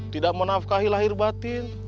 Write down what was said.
tidak menafkahi lahir batin